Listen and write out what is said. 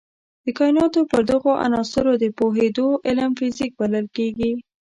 د کایناتو پر دغو عناصرو د پوهېدو علم فزیک بلل کېږي.